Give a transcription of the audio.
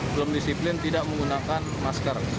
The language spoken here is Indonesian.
belum disiplin tidak menggunakan masker